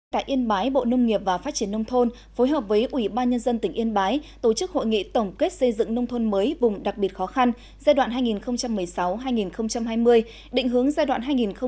tại yên bái bộ nông nghiệp và phát triển nông thôn phối hợp với ủy ban nhân dân tỉnh yên bái tổ chức hội nghị tổng kết xây dựng nông thôn mới vùng đặc biệt khó khăn giai đoạn hai nghìn một mươi sáu hai nghìn hai mươi định hướng giai đoạn hai nghìn hai mươi một hai nghìn hai mươi năm